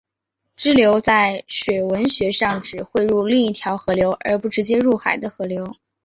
支流在水文学上指汇入另一条河流而不直接入海的河流。